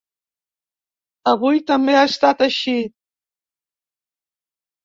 Avui també ha estat així.